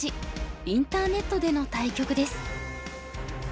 インターネットでの対局です。